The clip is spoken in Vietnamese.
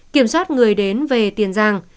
kiểm soát người đến về tiền giang